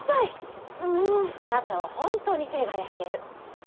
あなたは本当に手が焼ける。